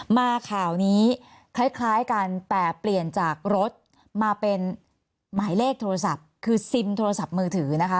มาข่าวนี้คล้ายกันแต่เปลี่ยนจากรถมาเป็นหมายเลขโทรศัพท์คือซิมโทรศัพท์มือถือนะคะ